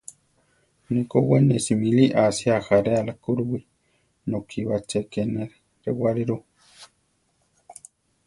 Ne ko we ne simíli ásia ajaréala kúruwi; nokí ba ché ké ne rewáli ru.